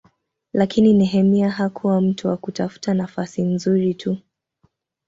Lakini Nehemia hakuwa mtu wa kutafuta nafasi nzuri tu.